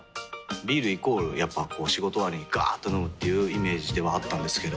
ビールイコールやっぱこう仕事終わりにガーっと飲むっていうイメージではあったんですけど。